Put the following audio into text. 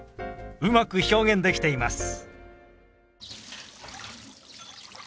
うまく表現できています。